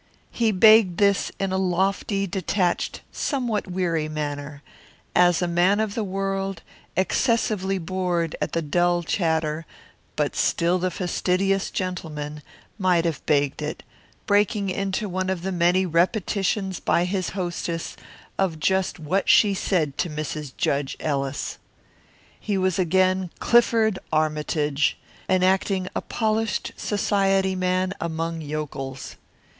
He begged this in a lofty, detached, somewhat weary manner, as a man of the world, excessively bored at the dull chatter but still the fastidious gentleman, might have begged it, breaking into one of the many repetitions by his hostess of just what she had said to Mrs. Judge Ellis. He was again Clifford Armytage, enacting a polished society man among yokels.